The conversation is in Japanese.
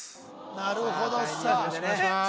なるほどよろしくお願いします